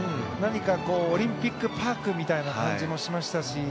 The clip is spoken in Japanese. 何かオリンピックパークみたいな感じもしましたし。